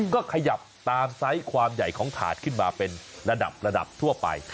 ก็ขยับตามไซส์ความใหญ่ของถาดขึ้นมาเป็นระดับระดับทั่วไป